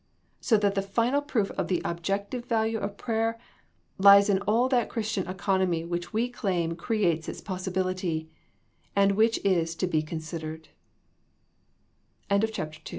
So that the final proof of the objective value of prayer lies in all that Christian economy which we claim creates its possibility, and which is t